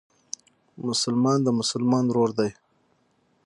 مسلمان د مسلمان ورور دئ.